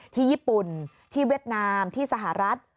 ที่ญี่ปุ่นที่เวียดนามที่สหรัฐ